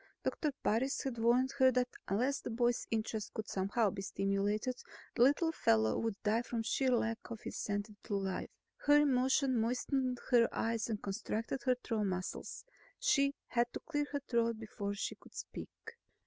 Doctor Parris had warned her that unless the boy's interest could somehow be stimulated, the little fellow would die from sheer lack of incentive to live. Her emotion moistened her eyes and constricted her throat muscles. She had to clear her throat before she could speak.